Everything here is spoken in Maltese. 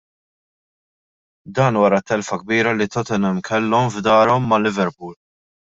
Dan wara t-telfa kbira li Tottenham kellhom f'darhom ma' Liverpool.